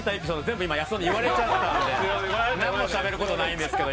全部今康雄に言われちゃったんで何もしゃべることないんですけど。